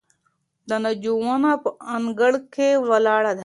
د ناجو ونه په انګړ کې ولاړه وه.